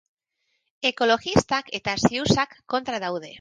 Ekologistak eta siouxak kontra daude.